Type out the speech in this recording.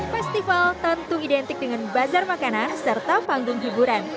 festival tentu identik dengan bazar makanan serta panggung hiburan